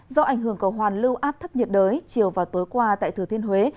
do ảnh hưởng cầu hoàn lưu áp thấp nhiệt đới chiều và tối qua tại thừa thiên huế